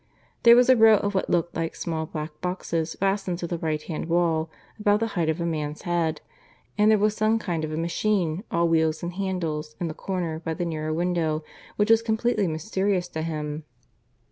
There was a row of what looked like small black boxes fastened to the right hand wall, about the height of a man's head; and there was some kind of a machine, all wheels and handles, in the corner by the nearer window, which was completely mysterious to him.